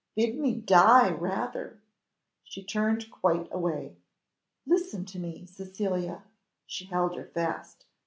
"Bid me die rather." She turned quite away. "Listen to me, Cecilia;" she held her fast.